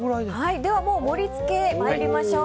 盛り付けに参りましょう。